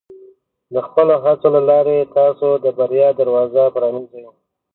د خپلو هڅو له لارې، تاسو د بریا دروازه پرانیزئ.